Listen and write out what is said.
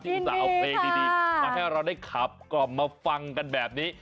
วิธีอุตส่าห์เอาเพลงดีมาให้เราขับกลับมาฝังกันแบบนี้